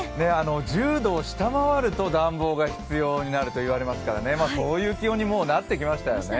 １０度を下回ると暖房が必要になると言われていますから、もうそういう気温になってきましたよね。